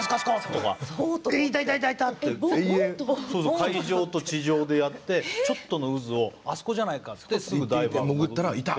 海上と地上でやってちょっとの渦をあそこじゃないかってすぐダイバー潜って。